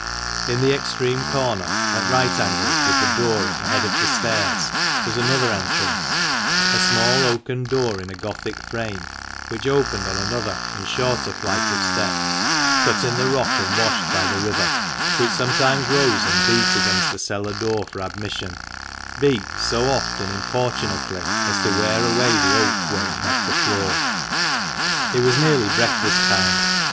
In the extreme corner, at right angles with the door at the head of the stairs, was another entrance, a small oaken door in a Gothic frame, which opened on another and shorter flight of steps, cut in the rock and washed by the river, which sometimes rose and beat against the cellar door for admission, beat so oft and importunately as to wear away the oak where it met the floor. It was nearly breakfast time.